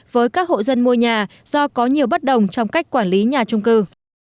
với các hộ dân mua nhà do có nhiều bất đồng trong cách quản lý nhà trung cư